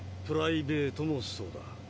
プライベートもそうだ。